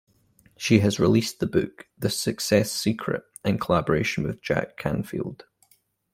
She has released the book "The Success Secret" in collaboration with Jack Canfield.